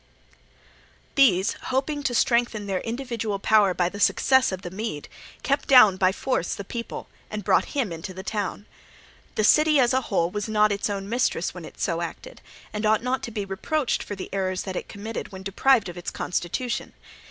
These, hoping to strengthen their individual power by the success of the Mede, kept down by force the people, and brought him into the town. The city as a whole was not its own mistress when it so acted, and ought not to be reproached for the errors that it committed while deprived of its constitution.